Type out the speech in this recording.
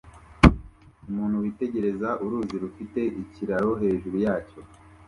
Umuntu witegereza uruzi rufite ikiraro hejuru yacyo